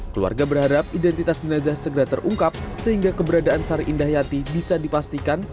keluarga berharap identitas jenazah segera terungkap sehingga keberadaan sari indah yati bisa dipastikan